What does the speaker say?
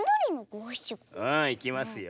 ああいきますよ。